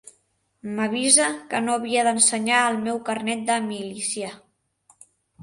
M'avisà que no havia d'ensenyar el meu carnet de milicià